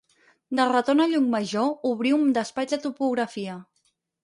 De retorn a Llucmajor obrí un despatx de topografia.